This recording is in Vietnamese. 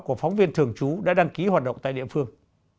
của phóng viên thường trú đã đăng ký hoạt động tại địa phương